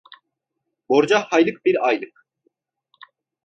Borca haylık bir aylık.